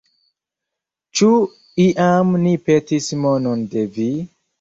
Ĉu iam ni petis monon de vi?